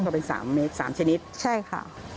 ต้องเป็น๓เม็ด๓ชนิดสำหรับใช่ค่ะ